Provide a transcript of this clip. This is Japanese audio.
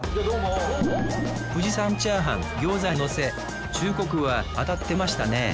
富士山チャーハン餃子のせ忠告は当たってましたね